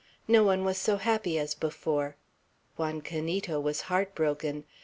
No one was so happy as before. Juan Canito was heart broken.